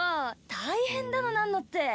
大変だのなんのって。